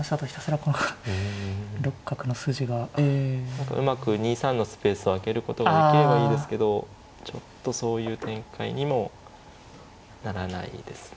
何かうまく２三のスペースを空けることができればいいですけどちょっとそういう展開にもならないですね。